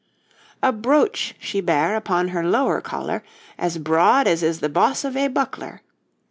A brooch she bare upon hir lowe coler, As broad as is the bos of a buckler.